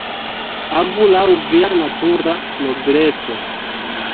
Agu laŭ via natura nobleco.